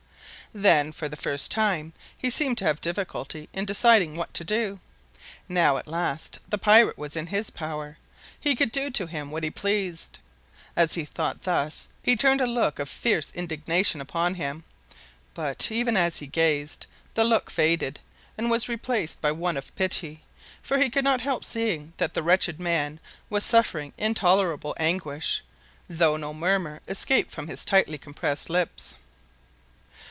Then, for the first time, he seemed to have difficulty in deciding what to do. Now, at last, the pirate was in his power he could do to him what he pleased! As he thought thus he turned a look of fierce indignation upon him. But, even as he gazed, the look faded, and was replaced by one of pity, for he could not help seeing that the wretched man was suffering intolerable anguish, though no murmur escaped from his tightly compressed lips.